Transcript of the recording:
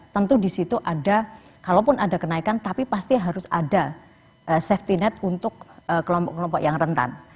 tentu di situ ada kalaupun ada kenaikan tapi pasti harus ada safety net untuk kelompok kelompok yang rentan